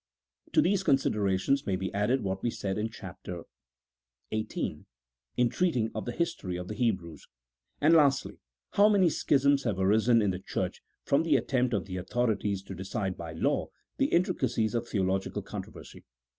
To these considerations may be added what we said in Chapter XVIII. in treating of the history of the Hebrews. And, lastly, how many schisms have arisen in the Church from the attempt of the authorities to decide by law the intricacies of theological controversy!